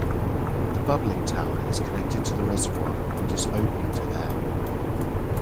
The bubbling tower is connected to the reservoir and is open to air.